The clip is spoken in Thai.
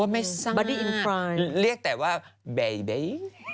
เพราะว่าไม่สักอ่ะเรียกแต่ว่าเบบี